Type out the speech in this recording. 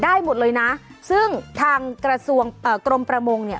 ได้หมดเลยนะซึ่งทางกระทรวงเอ่อกรมประมงเนี่ย